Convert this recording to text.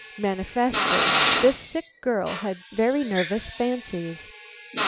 Manifestly this sick girl had very nervous fancies.